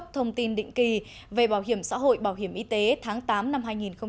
thông tin định kỳ về bảo hiểm xã hội bảo hiểm y tế tháng tám năm hai nghìn hai mươi